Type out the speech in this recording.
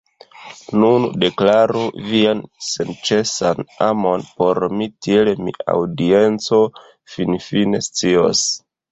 Nun, deklaru vian senĉesan amon por mi tiel mi aŭdienco finfine scios